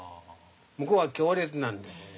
向こうは強烈なんで。